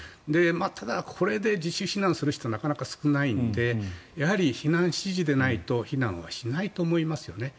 ただ、これで自主避難する人はなかなか少ないのでやはり避難指示でないと避難はしないと思いますよね。